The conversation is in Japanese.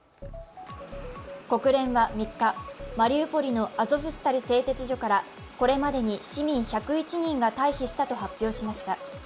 国連は３日、マリウポリのアゾフスタリ製鉄所からこれまでに市民１０１人が退避したと発表しました。